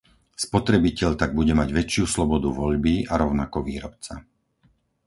Spotrebiteľ tak bude mať väčšiu slobodu voľby a rovnako výrobca.